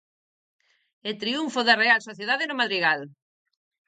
E triunfo da Real Sociedade no Madrigal.